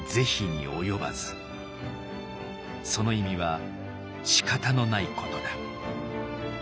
その意味はしかたのないことだ。